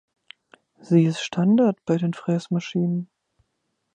Sie ist Standard bei den Fräsmaschinen.